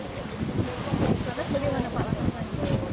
lalu bagaimana pak